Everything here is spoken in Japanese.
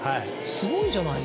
すごいじゃないですか。